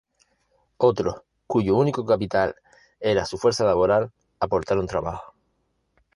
Otros, cuyo único capital era su fuerza laboral aportaron trabajo.